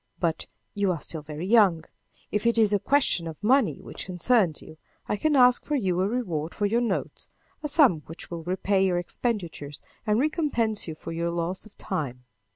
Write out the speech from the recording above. But, you are still very young! If it is a question of money which concerns you, I can ask for you a reward for your notes, a sum which will repay your expenditures and recompense you for your loss of time."